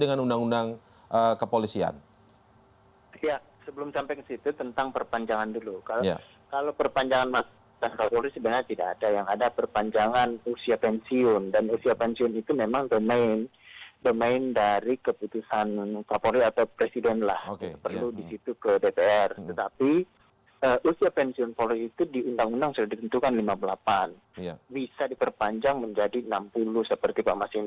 domain dari keputusan kepolis atau presiden